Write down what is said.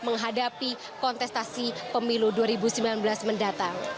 dan menghadapi kontestasi pemilu dua ribu sembilan belas mendatang